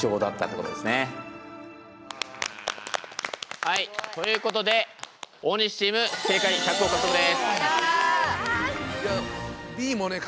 はいということで大西チーム正解１００ほぉ獲得です。